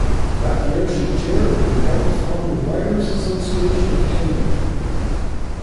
That year, she chaired and helped found the Writers' Association of Kenya.